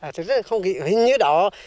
thật ra không nghĩ hình như đó